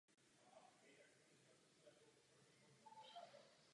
Polohový vektor slouží k popisu polohy tělesa.